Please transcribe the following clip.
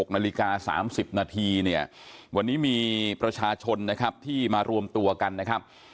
นาฬิกา๓๐นาทีเนี่ยวันนี้มีประชาชนนะครับที่มารวมตัวกันนะครับ